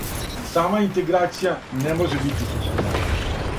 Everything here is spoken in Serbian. Сама интеграција не може бити суштина.